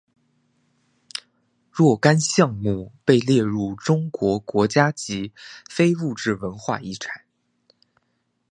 若干项目被列入中国国家级非物质文化遗产。